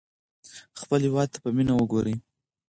خپل هېواد ته په مینه وګورئ.